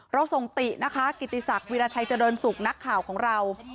เราส่งตินะคะกิติศักดิราชัยเจริญสุขนักข่าวของเรา